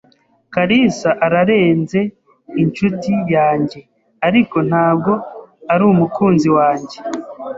kalisa ararenze inshuti yanjye, ariko ntabwo arumukunzi wanjye.